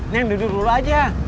neng duduk dulu aja